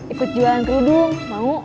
ikut jualan kerudung mau